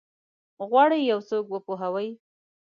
غواړي یو څوک وپوهوي؟